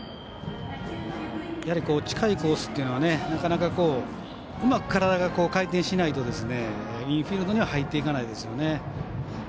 近いコースというのはなかなかうまく体が回転しないとインフィールドには入っていかないですよね。